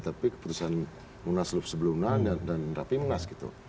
tapi keputusan munaslup sebelumnya dan rapi munas gitu